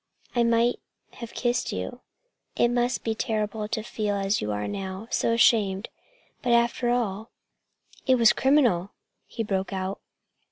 I might have kissed you. It must be terrible to feel as you feel now, so ashamed. But after all " "It was criminal!" he broke out.